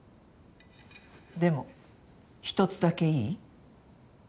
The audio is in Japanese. でも１つだけいい？